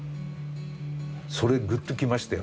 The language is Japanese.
それグッときましたよ。